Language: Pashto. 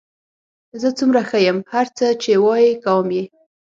زه څومره ښه یم، هر څه چې وایې کوم یې.